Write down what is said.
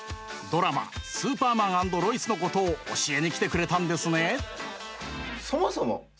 ドラマ「スーパーマン＆ロイス」のことを教えに来てくれたんですね。